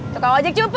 tukang ojek cupu